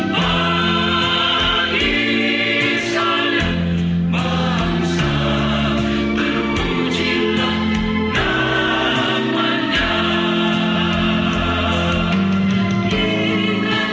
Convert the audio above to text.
pagi sekalian bangsa terpujilah namanya